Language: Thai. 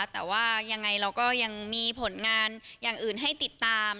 แต่ว่ายังไงเราก็ยังมีผลงานอย่างอื่นให้ติดตาม